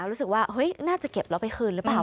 รู้สึกว่าเฮ้ยน่าจะเก็บแล้วไปคืนหรือเปล่า